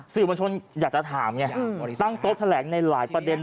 สิรธิบำชลอยากจะถามเงี่ยตั้งโต๊ะแถลงในหลายประเด็น